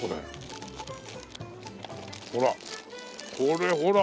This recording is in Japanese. ほらこれほら！